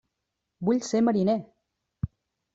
Vull ser mariner!